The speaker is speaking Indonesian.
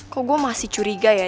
kok gue masih curiga ya